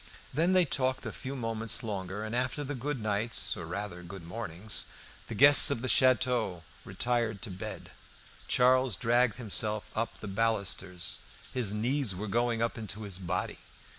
Then they talked a few moments longer, and after the goodnights, or rather good mornings, the guests of the château retired to bed. Charles dragged himself up by the balusters. His "knees were going up into his body."